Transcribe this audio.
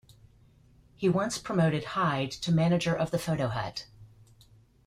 He once promoted Hyde to manager of the Foto Hut.